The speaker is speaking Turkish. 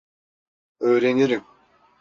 Öğrenirim.